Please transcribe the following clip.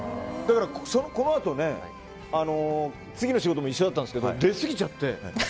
このあと次の仕事も一緒だったんですけど出すぎちゃって。